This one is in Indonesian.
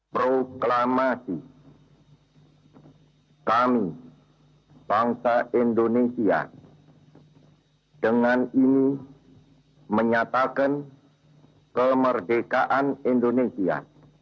proklamasi kami bangsa indonesia dengan ini menyatakan kemerdekaan indonesia